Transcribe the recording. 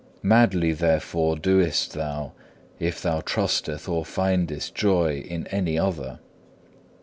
Madly therefore doest thou if thou trusteth or findest joy in any other.